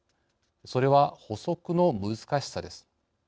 それは捕捉の難しさです。